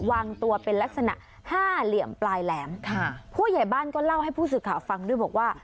วางตัวเป็นลักษณะห้าเหลี่ยมปลายแหลมค่ะผู้ใหญ่บ้านก็เล่าให้ผู้สื่อข่าวฟังด้วยบอกว่า